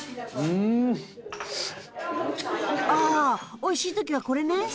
おいしい時はこれね。